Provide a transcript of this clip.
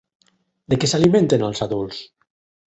De què s'alimenten els adults?